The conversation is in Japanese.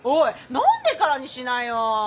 飲んでからにしなよ。